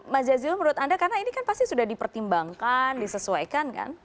mas jazilul menurut anda karena ini kan pasti sudah dipertimbangkan disesuaikan kan